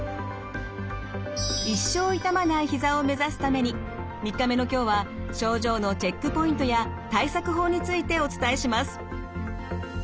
一生痛まないひざを目指すために３日目の今日は症状のチェックポイントや対策法についてお伝えします。